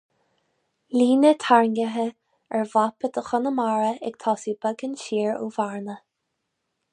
Líne tarraingthe ar mhapa de Chonamara ag tosú beagán siar ó Bhearna.